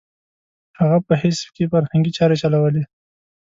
هغه په حزب کې فرهنګي چارې چلولې.